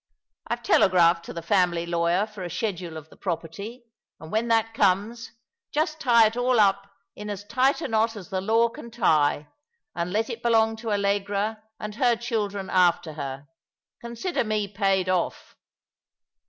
I've telegraphed to the family lawyer for a schedule of the property, and when that comes, just tie it all up in as tight a knot as the law can tie, and let it belong to Allegra and her children after her. Consider me paid off."